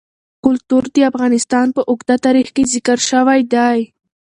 کلتور د افغانستان په اوږده تاریخ کې ذکر شوی دی.